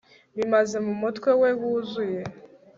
Bimaze mumutwe we wuzuye